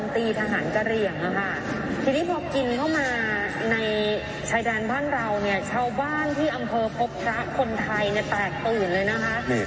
ทีนี้พอกินเข้ามาในชายแดนบ้านเราเนี่ยชาวบ้านที่อำเภอพบพระคนไทยเนี่ยแตกตื่นเลยนะคะ